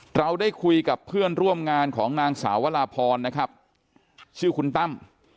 เราได้คุยกับเพื่อนร่วมงานของนางสาววราพรนะครับชื่อคุณตั้ม